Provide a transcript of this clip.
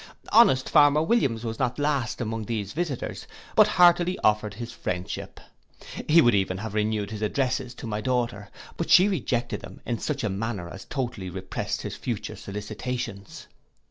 Honest farmer Williams was not last among these visitors; but heartily offered his friendship. He would even have renewed his addresses to my daughter; but she rejected them in such a manner as totally represt his future solicitations.